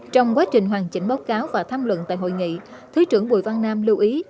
trong quá trình hoàn chỉnh báo cáo và tham luận tại hội nghị thứ trưởng bùi văn nam lưu ý